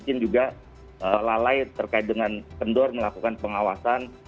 mungkin juga lalai terkait dengan kendor melakukan pengawasan